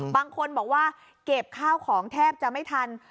บางคนบอกว่าเก็บข้าวของแทบจะไม่ทัน